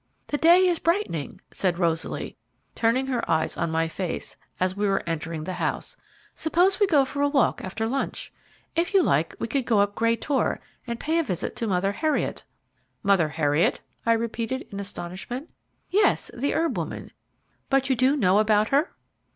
"The day is brightening," said Rosaly, turning her eyes on my face, as we were entering the house; "suppose we go for a walk after lunch? If you like, we could go up Grey Tor and pay a visit to Mother Heriot." "Mother Heriot?" I repeated, in astonishment. "Yes the herb woman but do you know about her?"